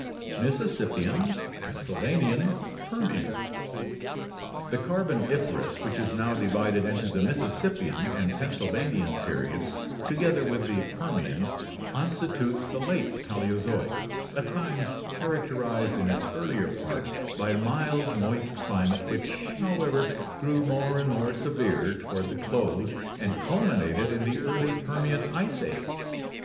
Mississippian, Pennsylvanian, Permian. — The Carboniferous, which is now divided into the Mississippian and Pennsylvanian periods, together with the Permian, constitutes the Late Paleozoic, a time characterized in its earlier part by a mild, moist climate which, however, grew more and more severe toward the close and culminated in the early Permian ice age.